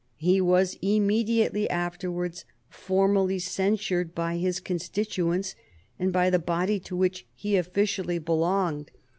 He was immediately afterwards formally censured by his constituents and by the body to which he officially belonged.